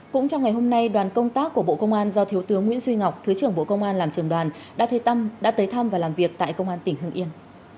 cũng trong ngày hôm nay đoàn công tác của bộ công an do thiếu tướng nguyễn duy ngọc thứ trưởng bộ công an làm trường đoàn đã tới thăm và làm việc tại công an tỉnh hương yên